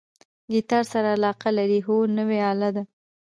ګیتار سره علاقه لرئ؟ هو، نوی آله ده